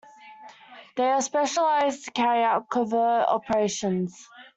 They are specialized to carry out covert operations.